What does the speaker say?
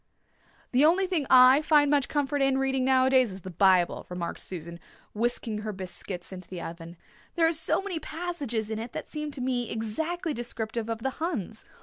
"The only thing that I find much comfort in reading nowadays is the Bible," remarked Susan, whisking her biscuits into the oven. "There are so many passages in it that seem to me exactly descriptive of the Huns.